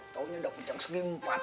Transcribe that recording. taunya udah kejang segi empat